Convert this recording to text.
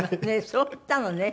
そう言ったのね。